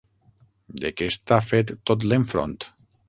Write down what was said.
De què està fet tot l'enfront?